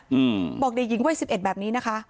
อืมบอกเด็กหญิงวัยสิบเอ็ดแบบนี้นะคะ